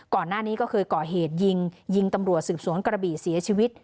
ก่อนหน้านี้ก็เคยก่อเหตุยิงยิงตำรวจสืบสวนกระบี่เสียชีวิต